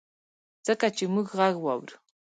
ځکه چي مونږ ږغ واورو